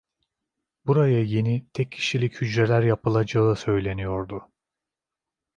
Buraya yeni tek kişilik hücreler yaptırılacağı söyleniyordu.